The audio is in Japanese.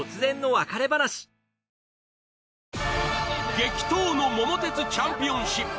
激闘の桃鉄チャンピオンシップ。